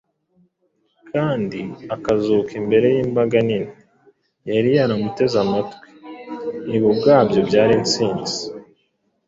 kandi akazuka imbere y’imbaga nini yari yaramuteze amatwi, ibi ubwabyo byari insinzi.